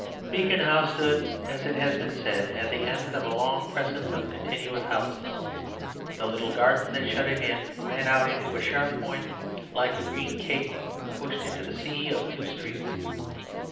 Beacon House stood, as has been said, at the end of a long crescent of continuous houses. The little garden that shut it in ran out into a sharp point like a green cape pushed out into the sea of two streets.